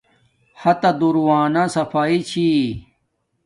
ہاتہ دور وانہ صفایݵ چھی